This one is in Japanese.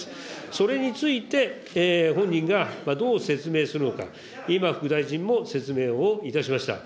それについて、本人がどう説明するのか、今、副大臣もご説明しました。